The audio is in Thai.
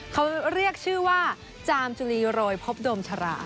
เขาเรียกชื่อว่าจามจุลีโรยพบโดมชรา